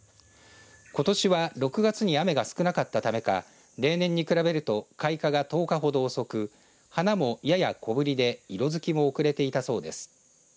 ことしは６月に雨が少なかったためか例年に比べると開花が１０日ほど遅く花も、やや小ぶりで色づきも遅れていたそうです。